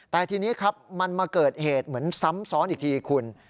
แต่ทีนี้ครับมันมาเกิดเหตุเหมือนซ้ำซ้อนอีกทีคุณ